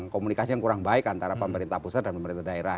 komunikasi yang kurang baik antara pemerintah pusat dan pemerintah daerah